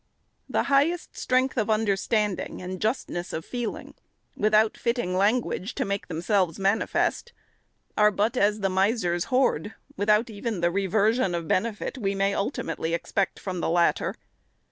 The highest strength of understanding and justness of feeling, without fitting language to make themselves manifest, are but as the miser's hoard, without even the reversion of benefit we may ultimately expect from the latter.